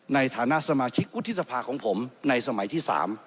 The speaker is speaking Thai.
ในฐานะสมาชิกวุฒิสภาของผมในสมัยที่๓